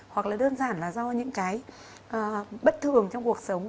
hoặc là đơn giản là do những cái bất thường trong cuộc sống